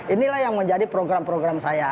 inilah yang menjadi program program saya